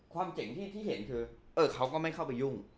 เจ๋งที่เห็นคือเขาก็ไม่เข้าไปยุ่ง